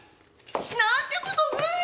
何てことすんの！